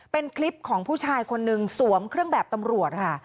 เป็นคลิปของผู้ชายคนนึงสวมเครื่องแบบตำรวจค่ะ